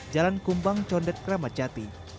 jalan kumbang condet kramacati